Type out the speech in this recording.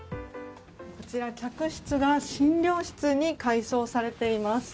こちら客室が診療室に改装されています。